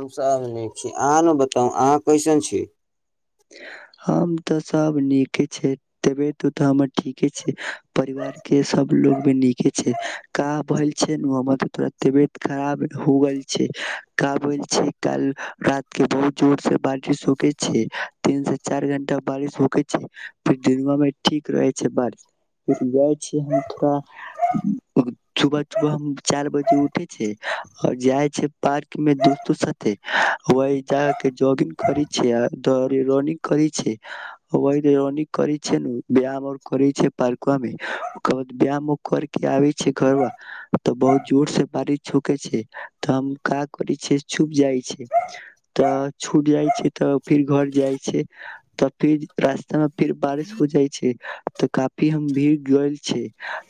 हमसभ अभनेख छी अहाँ ने बताउ अहाँ कैसन छी हम तऽ सब नीके छै तबियत तऽ हमर ठीके छै परिवार के सबलोग भी नीके छै का भेल छै हमर त तोरा तबियत खराब हो गेल छै का भेल छै कल रात के बहुत जोर से बारिश होके छै तीन से चार घंटा बारिश भूके छै फिर दिनआ मे ठीक रहे छै बारिश फिर जाय छी हम थोड़ा सुबह सुबह हम चार बजे उठे छै और जाय छै पार्क में दोस्तो साथे वह ज के जॉगिंग करे छ रनिंग कर रनिंग करे छै व्यायामर करे छै पार्क में ओकर बाद व्यायाम कर के आबे छै घर बा तऽ बहुत जोर से बारिश छुके छै तऽ हम क करे छ छुट जाइ छै तऽ छुट जाइ छै तऽ फिर घर त फिर रास्ता मे फिर बारिश हो जाइ छै तऽ काफी हम भीग गेल छै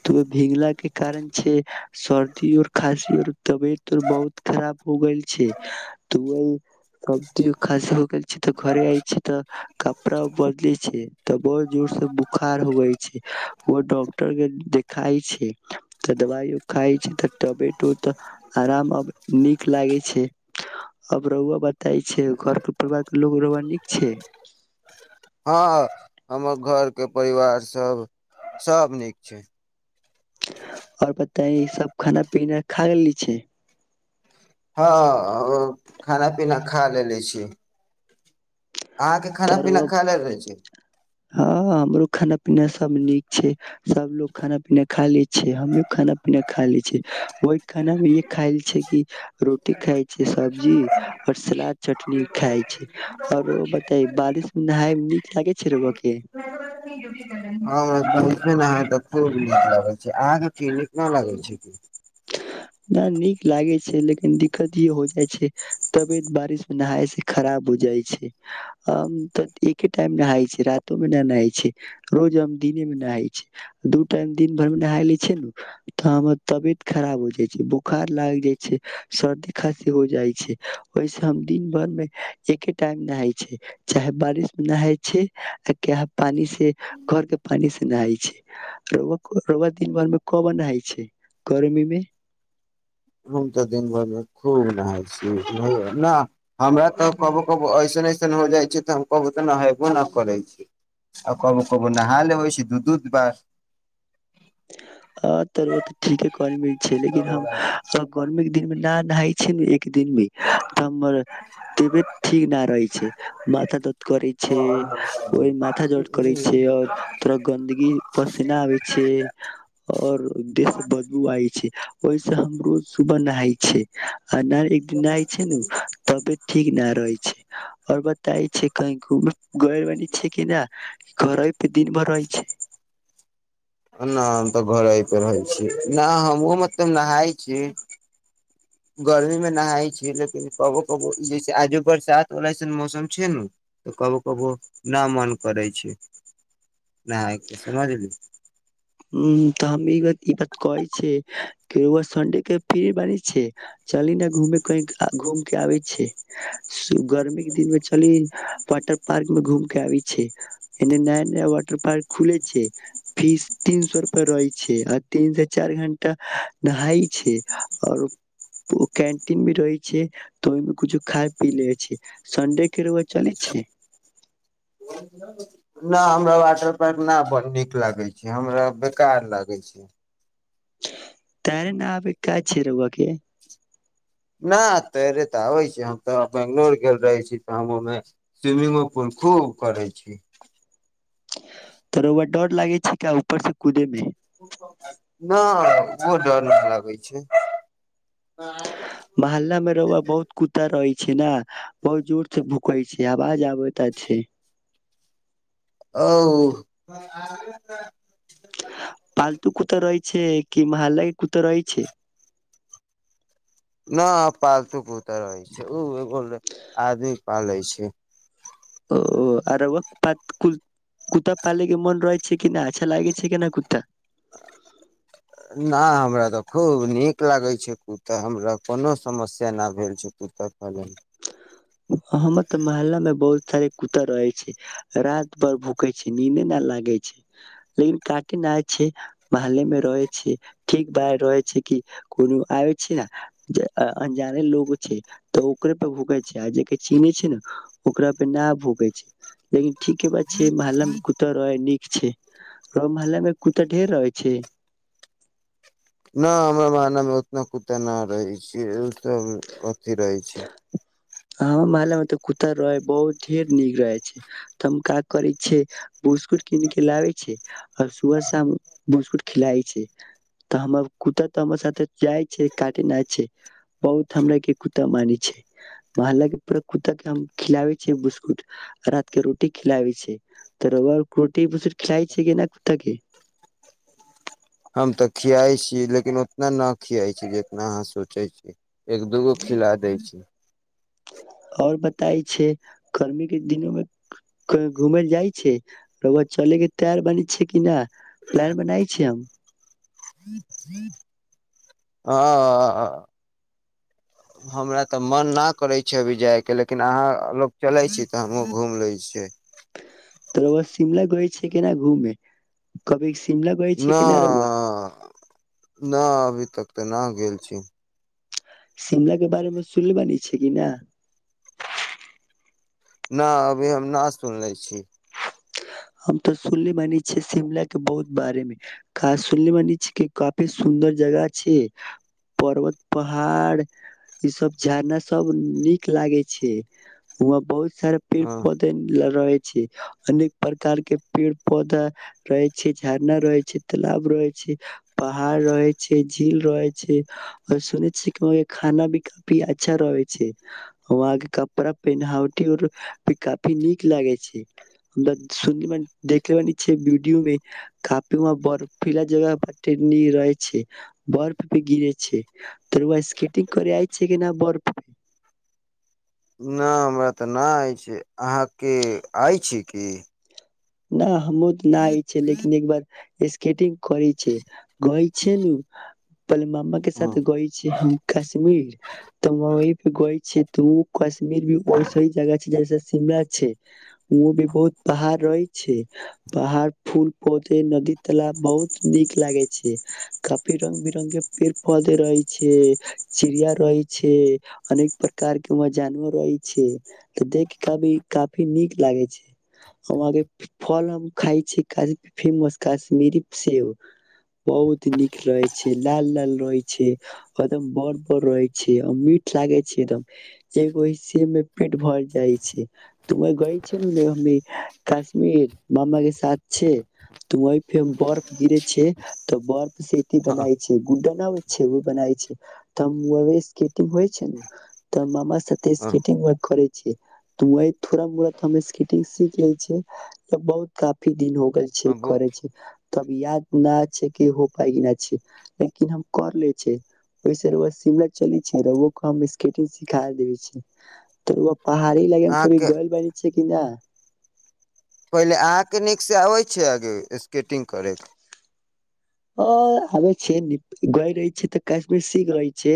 तऽ भींगला के कारण छै सर्दी और खासी और तबियतर बहुत खराब हो गेल छै तऽ वहि सर्दीर खसी हो गेल छै तऽ घर कपड़ा बदले छै तऽ बहुत जोर से बोखार होवे छै ओ डॉक्टर के देखाई छै तऽ दवाइो खााय छै तबतो त आराम नीक लागे छै अब रऊआ बताई छै घर के लोग न छै हँ हमर घरके परिवार सब सब नीक छै आओर पता सब खाना पीना खा लेली छै हँ खाना पीना खा लेलेे छी अहाँके खाना पीना खा लेल रह छी ह हमरो खाना पीना सब नीक छै सबलोग खाना पीना खा ले छै हम खाना पीना खा ले छै ओहि खाना में ये खाये छै कि रोटी खाय छै सब्जी और सलाद चटनी खाय छै औरो तऽ बारिश नहााय नीक लागे छै र उआ के हे न ह त नीक लाग छै अहाँके क निक न लगल छै क नीक लागे छै लेकिन दिक्कत ई हो जाइ छै तबियत बारिश मे नहााय से खराब हो जाइ छै एके टाइम नहाय छै रातो मे न नहााय छै रोज हम दिने मे नहााय छ दू टाइम दिन भर मे नहााय ले छै न तऽ हमर तबियत खराब हो बोखार लाग जाइ छै सर्दी खसी हो जाइ छै ओहिस हम दिन भर मे एके टाइम नहााय छै चाहे बारिश मे नहााय छै पानी से घर के पानी से नहााय छै रउआ दिन भर मे क नहाय छै गर्मी मे हम तऽ दिन भरि मे खुल रह छी नहि हमरा तऽ कबो कबो ऐसन ऐसन हो जाइ छै तऽ हम कबो तऽ नहेबो नहि करै छी आ कबो कबो नहा लेबै छी दू दू बार हँ राउआ तऽ ठीक ह कहेलिये छै लेकिन हम सब गर्मि दिनमे न नहाइ छै ने के दिन मे त हमर तबियत ठीक न रहे छै माथा दर्द करे छै ओहि माथा दर्द करे छै और तथोरा गन्दगी पसेना आबे छै आओर उ दे सॅं बदबू आय छै ओहिस हमरोज सुबह नहाय छै आ नहि एकदिन नहिइ छै ने तब ठीक नहि रहै छै आर बाद छै कही घुम घ ब छै कि नहि घर पे दिन भर रहै छै नहि हम तऽ घरे पर रहै छी नहि हमहु मतलषंब नहाय छी गर्मीमे नहाइ छियै लेकिन कबो कबो जैसे आजो बरसातवला अइसन मौसम छै ने तऽ कभो कबो ना मन करै छै नेअ समझल तऽ हम ई ई बात कहे छ संडे के फी बने छै चली ने घू घूम के आबे छै गर्मी के दिन मे चली वाटर पार्क में घूम के आबे छै एने नया नया वाटर पार्क खुले छै फिस तीन सो रुपआ रहै छै आ तीन से चार घंटा नहााय छै आओर कैंटीन भी रहै छै तऽ ओहिमे कुछो खा पी ले छै सन्डे रउआ चलै छै न हमरा वाटर पार्क न ब नीक लागै छै हमरा बेकार लागै छै तार न आबै क छैरबाक के नहि तैरे तऽ आबै छै हम तऽ बेंगलोर गेल रहै छी तऽ हम ओहिमे स्विमिंगो पुल खूब करै छी तोरो डर लागे छै क्य ऊपर से कुदे मे न ओ डर न लागै छै महाल्लामे रऊआ बहुत कुता रहै छी ने बहुत जोर से भूकै छी आवाज आबै त छै ओ पालतू कुतऽ रहै छै कि माल ल कु तऽ रहै छै न पालतू कुत्ता रहै छै ओ एगो आदमी पालै छै ओ कुत्ता पालेके मन रहै छै कि नहि अच्छा लागे छै केना कुत्ता नहि हमरा तऽ खूब नीक लागैत छै कुत्ता हमरा कोनो समस्या नहि भेल छै कुत्ता पालेमे हमर तऽ मोहल्ला में बहुत सारे कु्ता रहे छै रात भर भूखे छै नीदे न लागे छै लेकिन काटे न छै मोहल्ले में रहे छै ठीक बात रहे छै कि कोनो आबे छै ने अनजाने लोग छै तऽ ओकरे पे भूके छै आ जे चीनी छै ने ओकरा पे न भोकै छै लेकिन ठीक के बात छै महल्ला मे कुत्ता रह नीक छै महल्लामे कुत्ता ढेर रहै छै नहि हमरा महनामे उतना कु्ता नहि रहै छै ओसभ अथी रहै छै हमर मह्ला मे तऽ कुत्ता रहे बहुत ढेर नीक रहै छै तऽ हम काज करै छियै बिस्कुट कीन के लाबे छै आ सुबह शाम बिस्कुट खिलाय छै तऽ हमर कुत्ता तऽ हमर साथे जाइ छै काटेना छै बहुत हमरा के कुत्ता मानै छै मोहल्ला के कुत्ता के हम खिलाबे छ बिस्कुट रात के रोटी खिलाबे छ त रोटी बिस्कुट खिलए छै के नहि कुत्ता के हम तऽ खियाइ छै लेकिन उतना नहि खियाइ छी जितना अहाँ सोचै छी एक दू गो खिला दै छी आओर बताय छै गर्मी के दिनोमे घूमै ल जाइ छै चले के तैयार बनै छै कि नहि प्लान बनाय छै हम हँ हमरा तऽ मन नहि करै छै अभी जायके लेकिन अहाँ लोक चलै छी तऽ हमहूँ घूमि लै छियै तऽ शिमला गइ छै केना घूमे कभी शिमला गइल छै कि ना रउआ नहि नहि अभी तक तऽ नहि गेल छी शिमला के बारेमे सुनल बानी छै कि न न अभी हम न सुन ले छी हम तऽ सुनल मान छिय शिमला के बहुत बारे मे सुनल मनी छ के काफी सुन्दर जगह छै पर्वत पहाड़ ई सब झड़ना सब नीक लागे छै वहा बहुत सार पेड़ ह पौधे रहे छै अ प्रकार के पेड़ पौधा रहे छै झरना रहे छै तालब रहे छै पहाड़ रहे छै झील रहे छै और सुन छ कि वहां के खाना भी काफी अच्छा रहे छै वहां के कपड़ा पहिनावटी र भी काफी नीक लागे छै हम सु देखल ब वडियो मे की बरफ फिला जगट रहै छै बरफप गिरे छै तर स्केटंग आइ छै क नहि बरफप नहि हमरा तऽ नहि अछि अहाँके आइ छी की नहि हमहुँ तऽ नहिइ छै लेकिन एकबार स्केटिंग कर छै गइ छै न पे मामा के साथ गई छी हम कश्मीर तऽ वहि पे गए छी तऽ ओ कश्मीर भी ओऐसी जगह छै जैसे शिमला छै ओ भी बहुत पहाड़ रहै पहाड़ फूल पौधे नदी ताला बहुत नीक लागे छै काफी रंग बिरंग के पेड़ पौधे रहे छै चिड़िया रहे छै अनेक प्रकार के वहं जानवर रहे छै त देख की काफी नीक लागे छै वहा के फल हम खााय छी कश फेमस कश्मीरी सेब बहुत नीक रहे छै लाल लाल रहे छै एकदम बड़ बड़ रहे छै मीठ लागे छै एकदम एगो सेब में पेट भर जाइ छै त व गई छ नेमेशी ीर मामा के साथ छै तू व फे बर्फ गिरे छै तऽ बर्फ से बनाय छै गु्डन आबे छै बनाय छै स्ग हो छै त मामा साे अहाँके स्िंग करे छै त थोड़ा मड़ स्टिंग सीख ले छ बहुत काफी दिन हो गेल छै करै छै तब याद न छै कि हो पााय नहि छै लेकिन हम कर ले छ ओहिस शिमला चलै छै स्टिंग सिखा देे छै त पहाी इलाका मे कभी गोल बारड़ छै क पहिले अहाँके नीकसँ आबै छैिय आगे स्केटिंग करयके ओ आ छै गइ रहै छै तऽ काश्मीर सी गइ छै